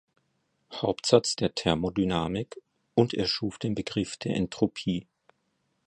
Hauptsatz der Thermodynamik und er schuf den Begriff der Entropie.